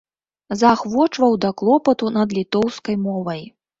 Заахвочваў да клопату над літоўскай мовай.